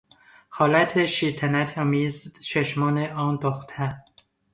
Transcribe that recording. حالت شیطنت آمیز چشمان آن دختر